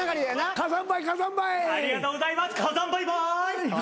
火山バイバイ。